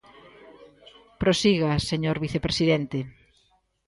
Prosiga, señor vicepresidente.